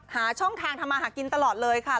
หาช่องทางทำมาหากินตลอดเลยค่ะ